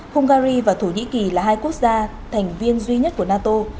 hungary và thổ nhĩ kỳ là hai quốc gia thành viên duy nhất của nato